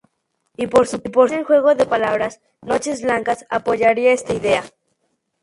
Y, por su parte el juego de palabras "Noches blancas" apoyaría esta idea.